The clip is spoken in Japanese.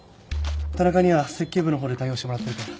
田中には設計部の方で対応してもらってるから。